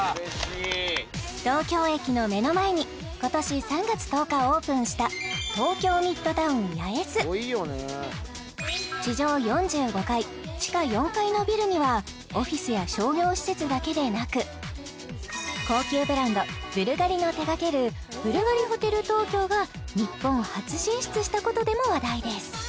東京駅の目の前に今年３月１０日オープンした地上４５階地下４階のビルにはオフィスや商業施設だけでなく高級ブランドブルガリの手掛けるブルガリホテル東京が日本初進出したことでも話題です